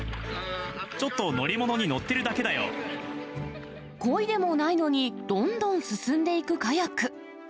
ちょっと乗り物に乗ってるだこいでもないのに、どんどん進んでいくカヤック。